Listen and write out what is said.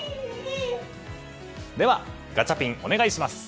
では、ガチャピンお願いします！